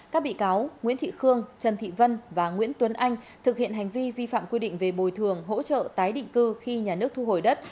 các bị cáo nguyễn thị khương trần thị vân và nguyễn tuấn anh thực hiện hành vi vi phạm quy định về bồi thường hỗ trợ tái định cư khi nhà nước thu hồi đất